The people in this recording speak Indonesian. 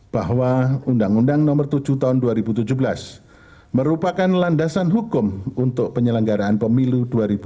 bahwa undang undang nomor tujuh tahun dua ribu tujuh belas merupakan landasan hukum untuk penyelenggaraan pemilu dua ribu sembilan belas